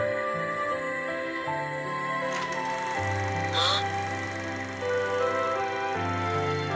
あっ！